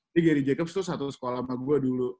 jadi gary jacobs tuh satu sekolah lama gue dulu